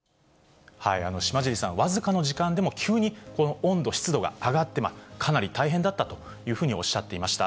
島尻さん、僅かな時間でも急にこの温度、湿度が上がって、かなり大変だったというふうにおっしゃっていました。